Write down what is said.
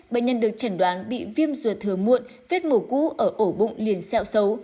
bệnh nhân được chẳng đoán bị viêm ruột thừa muộn viết mổ cú ở ổ bụng liền xeo xấu